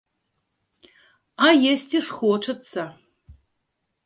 А есці ж хочацца.